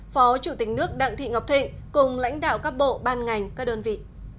phó chủ tịch nước đặng thị ngọc thịnh cùng lãnh đạo các bộ ban ngành các đơn vị